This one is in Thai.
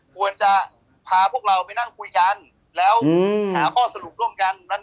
ควรจะพาพวกเราไปนั่งคุยกันแล้วหาข้อสรุปร่วมกัน